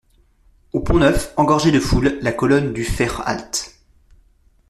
Au Pont-Neuf, engorgé de foule, la colonne dut faire halte.